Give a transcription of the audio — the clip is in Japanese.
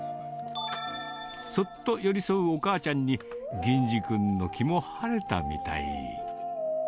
そっと寄り添うお母ちゃんに、銀侍君の気も晴れたみたい。